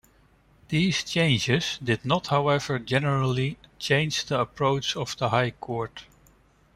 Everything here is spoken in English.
These changes did not however generally change the approach of the High Court.